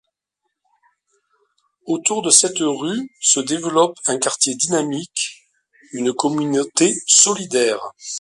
Autour de cette rue se développe un quartier dynamique, une communauté solidaire.